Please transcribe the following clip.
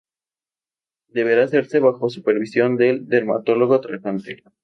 Deberá hacerse bajo supervisión del dermatólogo tratante.